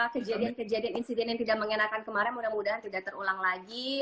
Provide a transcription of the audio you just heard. kejadian kejadian insiden yang tidak mengenakan kemarin mudah mudahan tidak terulang lagi